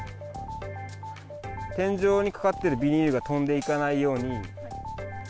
天井にかかってるビニールが飛んでいかないように。